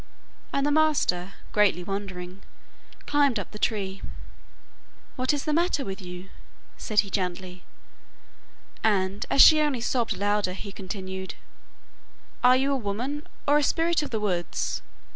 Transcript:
And the master, greatly wondering, climbed up the tree. 'What is the matter with you?' said he gently, and, as she only sobbed louder, he continued: 'Are you a woman, or a spirit of the woods?